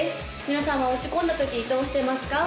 皆さんは落ち込んだときどうしてますか？